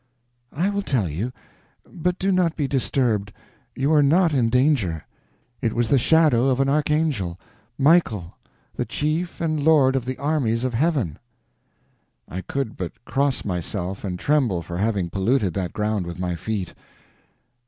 "I will tell you, but do not be disturbed; you are not in danger. It was the shadow of an archangel—Michael, the chief and lord of the armies of heaven." I could but cross myself and tremble for having polluted that ground with my feet.